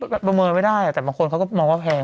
ประเมินไม่ได้แต่บางคนเขาก็มองว่าแพง